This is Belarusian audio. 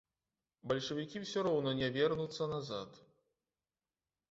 Бальшавікі ўсё роўна не вернуцца назад.